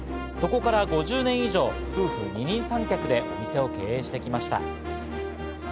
そこから５０年以上、夫婦二人三脚で店を経営してきました。